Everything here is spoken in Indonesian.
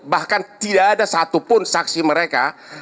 bahkan tidak ada satu pun saksi mereka